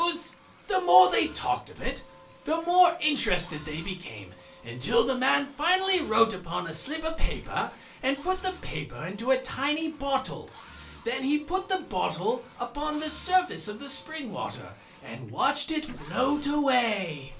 So the more they talked of it, the more interested they became until the man finally wrote upon a slip of paper and put the paper into a tiny bottle. Then he put the bottle upon the surface of the spring water and watched it float away.